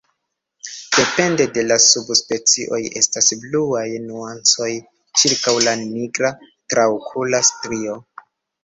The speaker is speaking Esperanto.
Depende de la subspecioj estas bluaj nuancoj ĉirkaŭ la nigra traokula strio.